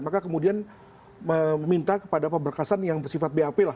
maka kemudian meminta kepada pemberkasan yang bersifat bap lah